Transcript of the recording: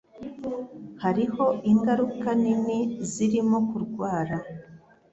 Hariho ingaruka nini zirimo kurwara